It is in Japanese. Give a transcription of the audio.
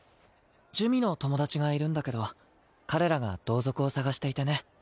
珠魅の友達がいるんだけど彼らが同族を捜していてね